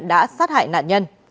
đã sát hại nạn nhân